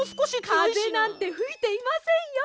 かぜなんてふいていませんよ。